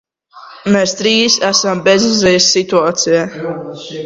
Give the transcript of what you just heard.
Mēs trīs esam bezizejas situācijā.